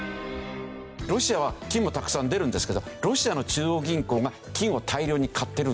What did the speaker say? ロシアは金もたくさん出るんですけどロシアの中央銀行が金を大量に買ってるんですよ。